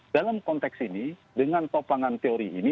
dalam konteks ini dengan topangan teori ini